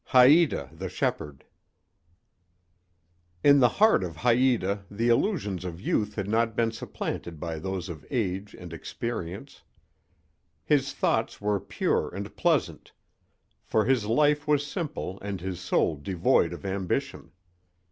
HAÏTA THE SHEPHERD IN the heart of Haïta the illusions of youth had not been supplanted by those of age and experience. His thoughts were pure and pleasant, for his life was simple and his soul devoid of ambition.